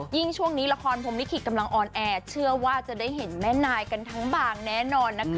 ช่วงนี้ละครพรมลิขิตกำลังออนแอร์เชื่อว่าจะได้เห็นแม่นายกันทั้งบางแน่นอนนะคะ